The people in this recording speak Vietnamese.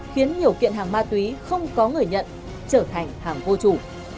khiến nhiều kiện hàng ma túy không có người nhận trở thành hàng vô chủ